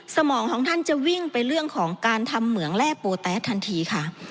สมองของท่านจะวิ่งไปเรื่องของการทำเหมืองแร่โปแต๊สทันทีค่ะ